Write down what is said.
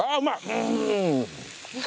うん！！